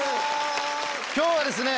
今日はですね！